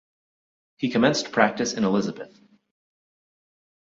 He commenced practice in Elizabeth.